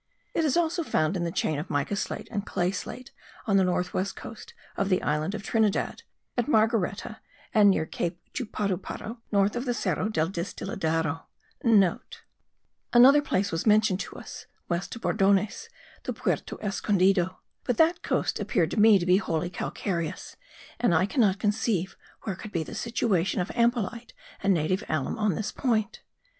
It is also found in the chain of mica slate and clay slate, on the north west coast of the island of Trinidad, at Margareta and near Cape Chuparuparu, north of the Cerro del Distiladero.* (* Another place was mentioned to us, west of Bordones, the Puerto Escondido. But that coast appeared to me to be wholly calcareous; and I cannot conceive where could be the situation of ampelite and native alum on this point.